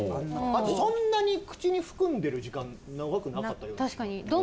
あとそんなに口に含んでる時間長くなかったような。